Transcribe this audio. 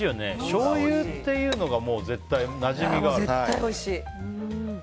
しょうゆっていうのが絶対なじみがある。